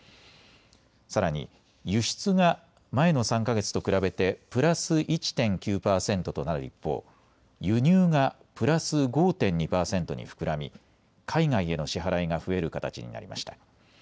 さらに輸出が前の３か月と比べてプラス１．９％となる一方、輸入がプラス５．２％に膨らみ海外への支払いが増える形になりました。